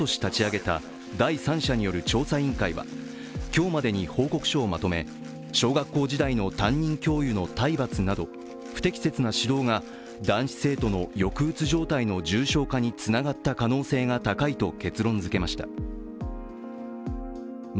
今日までに報告書をまとめ小学校時代の担任教諭の体罰など不適切な指導が男子生徒の抑うつ状態の重症化につながった可能性が高いと結論づけましたり。